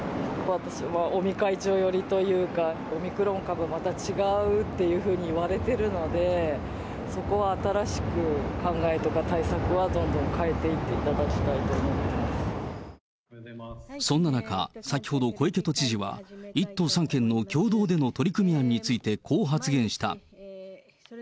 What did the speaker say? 私は尾身会長寄りというか、オミクロン株、また違うっていうふうにいわれているので、そこは新しく考えとか対策はどんどん変えていっていただきたいとそんな中、先ほど、小池都知事は、１都３県の共同での取り組み案について、こう発言した。